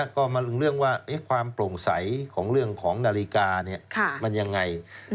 ก็มารู้เรื่องว่าความโปร่งใสของเรื่องของนาฬิกามันยังไง